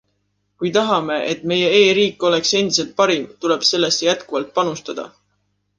Kui tahame, et meie e-riik oleks endiselt parim, tuleb sellesse jätkuvalt panustada.